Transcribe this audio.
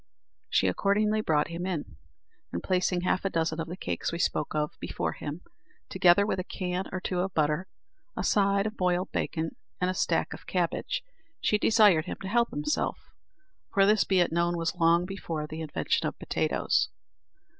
She accordingly brought him in, and placing half a dozen of the cakes we spoke of before him, together with a can or two of butter, a side of boiled bacon, and a stack of cabbage, she desired him to help himself for this, be it known, was long before the invention of potatoes.